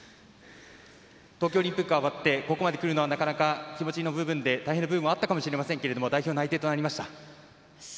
東京オリンピック終わってここまでくるのはなかなか気持ちの部分で大変な部分がったかもしれませんが代表内定となりました。